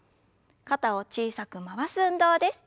肩を小さく回す運動です。